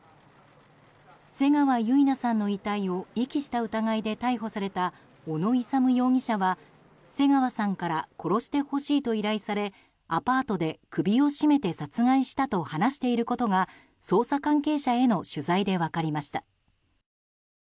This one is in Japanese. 瀬川結菜さんの遺体を遺棄した疑いで逮捕された小野勇容疑者は瀬川さんから殺してほしいと依頼されアパートで、首を絞めて殺害したと話していることが捜査関係者への取材で分かりました。